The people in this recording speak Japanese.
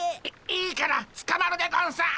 いいいからつかまるでゴンスっ。